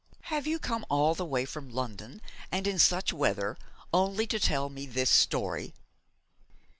'Have you come all the way from London, and in such weather, only to tell me this story?'